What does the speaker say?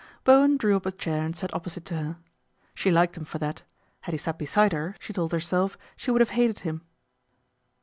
Bowen drew up a chair and sat opposite to her. She liked him for that. Had he sat beside her, she told herself, she would have hated him.